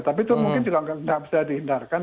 tapi itu mungkin juga tidak bisa dihindarkan